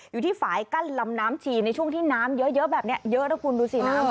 อยู่ที่ฝ่ายกั้นลำน้ำชีในช่วงที่น้ำเยอะแบบนี้เยอะนะคุณดูสิน้ำ